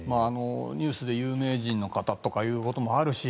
ニュースで有名人の方がということもあるし。